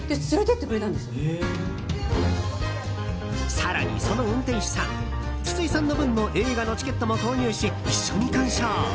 更に、その運転手さん筒井さんの分の映画のチケットも購入し一緒に鑑賞。